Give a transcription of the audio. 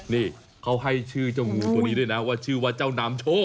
นี่เขาให้ชื่อเจ้างูตัวนี้ด้วยนะว่าชื่อว่าเจ้านำโชค